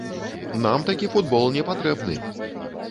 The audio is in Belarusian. Нам такі футбол не патрэбны!